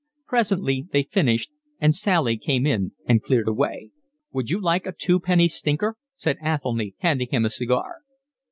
Presently they finished, and Sally came in and cleared away. "Would you like a twopenny stinker?" said Athelny, handing him a cigar.